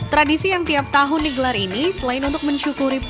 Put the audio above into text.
tradisi yang tiap tahun digelar ini